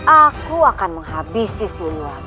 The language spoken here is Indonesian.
aku akan menghabisi siluan